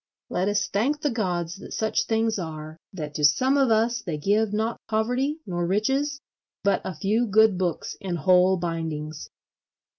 Let us thank the gods that such things are: that to some of us they give not poverty nor riches but a few good books in whole bindings.